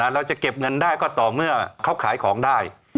เราจะเก็บเงินได้ก็ต่อเมื่อเขาขายของได้